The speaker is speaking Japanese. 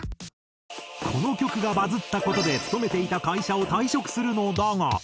この曲がバズった事で勤めていた会社を退職するのだが。